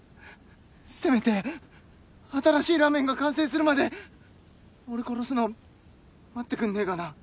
せめて新しいラーメンが完成するまで俺殺すの待ってくんねぇかな。